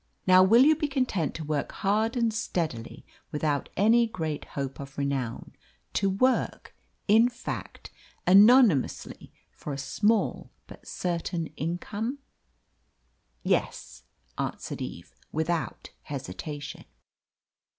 Now will you be content to work hard and steadily without any great hope of renown to work, in fact, anonymously for a small but certain income?" "Yes," answered Eve, without hesitation.